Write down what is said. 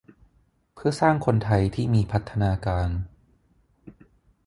เพื่อสร้างคนไทยที่มีพัฒนาการ